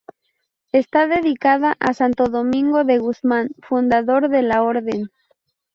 Está dedicada a Santo Domingo de Guzmán, fundador de la Orden.